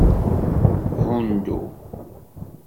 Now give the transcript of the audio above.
Hundu.